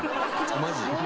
マジ？